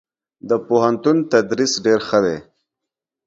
دپوهنتون تدريس ډير ښه دی.